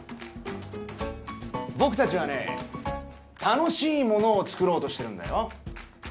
僕達はね楽しいものを作ろうとしてるんだよ